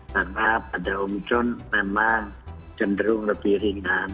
karena pada omikron memang jenderung lebih ringan